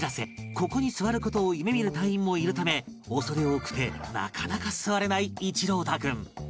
ここに座る事を夢見る隊員もいるため恐れ多くてなかなか座れない一朗太君